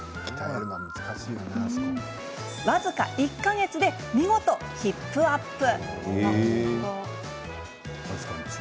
僅か１か月で見事ヒップアップ。